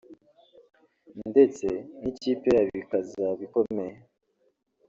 ndetse n’ikipe yabo ikazaba ikomeye